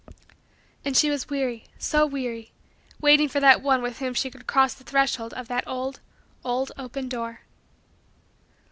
And she was weary, so weary, waiting for that one with whom she could cross the threshold of the old, old, open door.